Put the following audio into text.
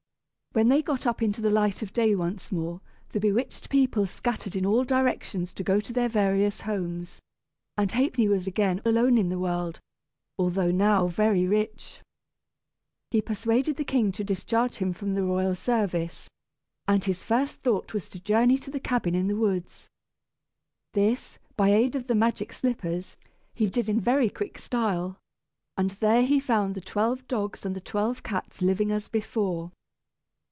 When they got up into the light of day once more, the bewitched people scattered in all directions to go to their various homes, and Ha'penny was again alone in the world, although now very rich. He persuaded the king to discharge him from the royal service, and his first thought was to journey to the cabin in the woods. This, by aid of the magic slippers, he did in very quick style, and there he found the twelve dogs and the twelve cats living as before.